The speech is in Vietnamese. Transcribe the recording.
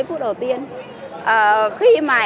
mẹ con ạ